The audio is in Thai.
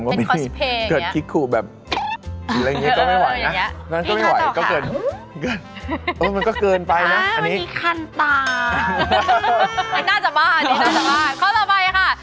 ข้อต่อไปค่ะ